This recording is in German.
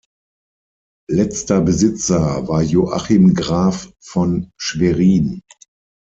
Letzter Besitzer war Joachim Graf von Schwerin.